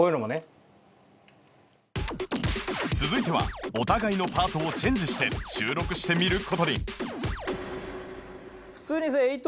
続いてはお互いのパートをチェンジして収録してみる事に